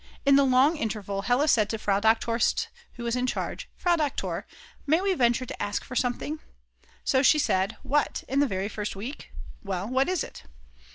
In the long interval, Hella said to Frau Doktor St., who was in charge. "Frau Doktor, may we venture to ask for something?" So she said: "What, in the very first week; well, what is it?"